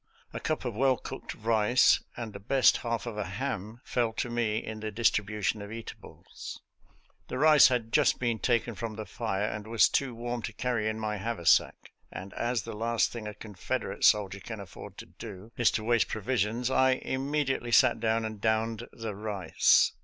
A cup of well cooked rice and the best half of a ham fell to me in the distribution of eatables. The rice 53 GAINES' MILL 53 had just been taken from the fire, and was too warm to carry in my haversack, and as the last thing a Confederate soldier can afford to do is to waste provisions, I immediately sat down and downed the rice.